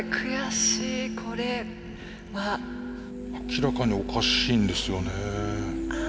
明らかにおかしいんですよね。